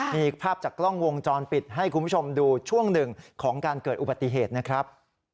มีภาพจากกล้องวงจรปิดให้คุณผู้ชมดูช่วงหนึ่งของการเกิดอุบัติเหตุนะครับ